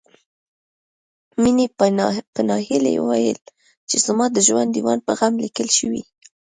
مينې په ناهيلۍ وويل چې زما د ژوند ديوان په غم ليکل شوی